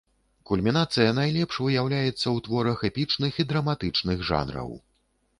Кульмінацыя найлепш выяўляецца ў творах эпічных і драматычных жанраў.